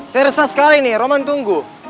saya resah sekali nih roman tunggu